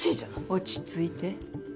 落ち着いて。